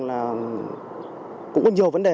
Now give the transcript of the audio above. là cũng có nhiều vấn đề